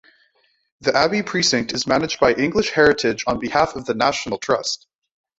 The Abbey precinct is managed by English Heritage on behalf of the National Trust.